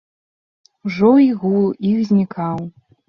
Ужо і гул іх знікаў.